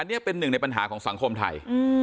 อันนี้เป็นหนึ่งในปัญหาของสังคมไทย